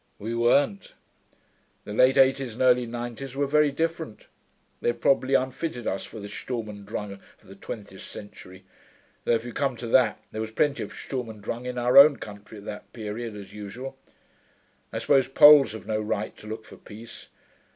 'We weren't. The late 'eighties and early 'nineties were very different. They probably unfitted us for the Sturm und Drang of the twentieth century. Though, if you come to that, there was plenty of Sturm und Drang in our own country at that period, as usual.... I suppose Poles have no right to look for peace....